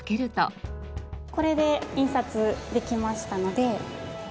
これで印刷できましたので。